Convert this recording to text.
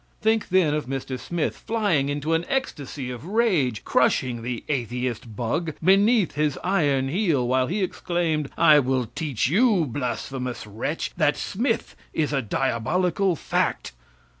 Think then of Mr. Smith flying into an ecstasy of rage, crushing the atheist bug beneath his iron heel, while he exclaimed, "I will teach you, blasphemous wretch, that Smith is a diabolical fact!"